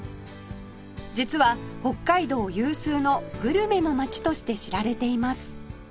実は北海道有数のグルメの街として知られています